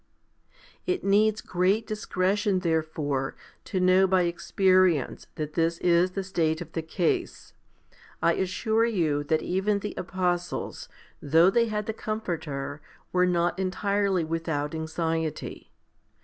It needs great discretion, therefore, to know by experi ence that this is the state of the case. I assure you that even the apostles, though they had the Comforter, were not entirely without anxiety.